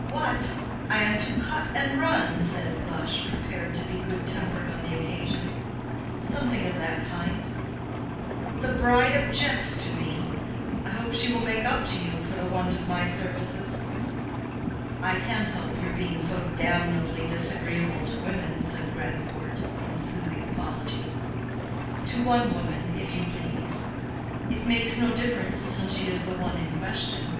"What! I am to cut and run?" said Lush, prepared to be good tempered on the occasion. "Something of that kind." "The bride objects to me. I hope she will make up to you for the want of my services." "I can't help your being so damnably disagreeable to women," said Grandcourt, in soothing apology. "To one woman, if you please." "It makes no difference since she is the one in question."